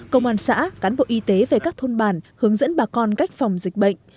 công an xã cán bộ y tế về các thôn bản hướng dẫn bà con cách phòng dịch bệnh